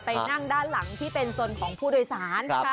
นั่งด้านหลังที่เป็นสนของผู้โดยสาร